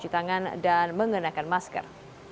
dan menggunakan masker